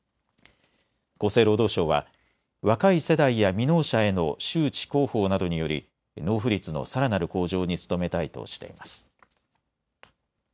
厚生労働省は若い世代や未納者への周知・広報などにより納付率のさらなる向上に努めたいとしています。